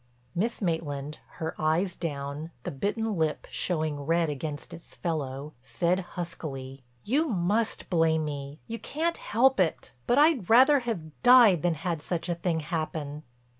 Miss Maitland, her eyes down, the bitten lip showing red against its fellow, said huskily: "You must blame me—you can't help it—but I'd rather have died than had such a thing happen."